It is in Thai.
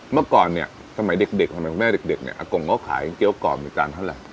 เมื่อก่อนเนี่ยสมัยเด็กสมัยคุณแม่เด็กเนี่ยอากงเขาขายเกี้ยวกรอบในจานเท่าไหร่